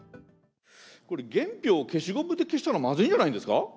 原票を消しゴムで消したらまずいんじゃないですか。